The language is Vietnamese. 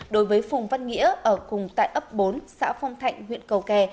đối với phùng văn nghĩa ở cùng tại ấp bốn xã phong thạnh huyện cầu kè